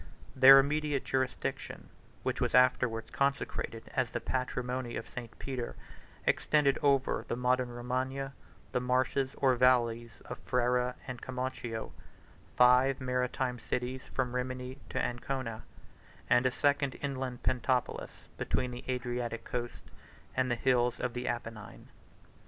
Their immediate jurisdiction, which was afterwards consecrated as the patrimony of St. Peter, extended over the modern Romagna, the marshes or valleys of Ferrara and Commachio, 34 five maritime cities from Rimini to Ancona, and a second inland Pentapolis, between the Adriatic coast and the hills of the Apennine.